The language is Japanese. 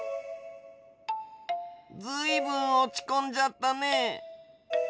ずいぶんおちこんじゃったね。